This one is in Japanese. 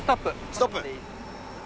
ストップ。